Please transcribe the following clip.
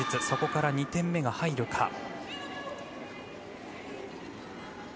そこから２点目が入るか。